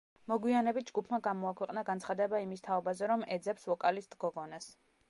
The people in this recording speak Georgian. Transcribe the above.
მოგვიანებით ჯგუფმა გამოაქვეყნა განცხადება იმის თაობაზე, რომ ეძებს ვოკალისტ გოგონას.